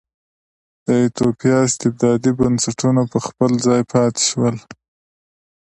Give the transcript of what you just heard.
د ایتوپیا استبدادي بنسټونه په خپل ځای پاتې شول.